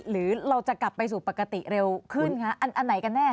หรือเราจะกลับไปสู่ปกติเร็วขึ้นคะอันไหนกันแน่